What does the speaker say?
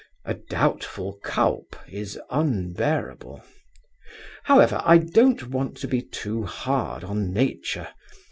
A doubtful Cuyp is unbearable. However, I don't want to be too hard on Nature.